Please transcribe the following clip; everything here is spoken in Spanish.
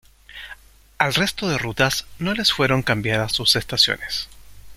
Al resto de rutas no les fueron cambiadas sus estaciones.